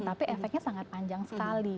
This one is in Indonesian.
tapi efeknya sangat panjang sekali